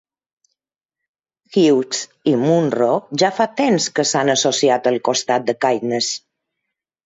Hughes i Munro ja fa temps que s'han associat al costat de Caithness.